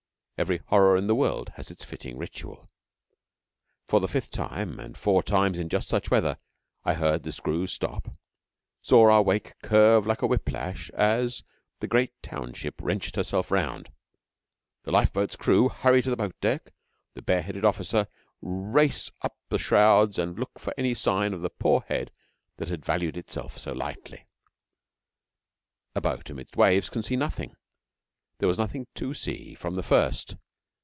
Every horror in the world has its fitting ritual. For the fifth time and four times in just such weather I heard the screw stop; saw our wake curve like a whiplash as the great township wrenched herself round; the lifeboat's crew hurry to the boat deck; the bare headed officer race up the shrouds and look for any sign of the poor head that had valued itself so lightly. A boat amid waves can see nothing. There was nothing to see from the first.